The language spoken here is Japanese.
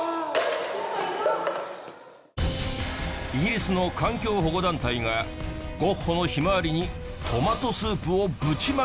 イギリスの環境保護団体がゴッホの『ひまわり』にトマトスープをぶちまけた。